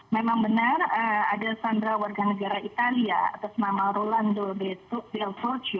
memang benar ada sandra warga negara italia atas nama rolando delforch